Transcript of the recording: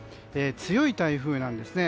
強い台風なんですね。